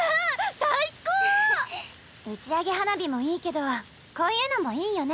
打ち上げ花火もいいけどこういうのもいいよね。